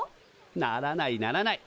ならないならない。